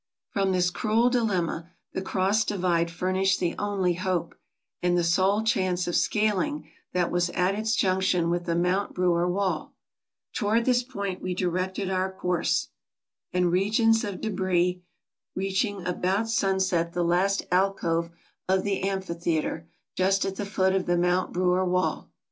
From this cruel dilemma the cross divide furnished the only hope, and the sole chance of scaling that was at its junction with the Mount Brewer wall. Toward this point we directed our course, marching wearily over stretches of dense frozen snow, and regions of debris, reaching about sunset the last alcove of the amphitheater, just at the foot of the Mount Brewer wall.